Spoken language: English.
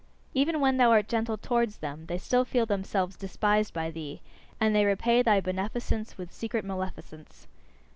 Even when thou art gentle towards them, they still feel themselves despised by thee; and they repay thy beneficence with secret maleficence.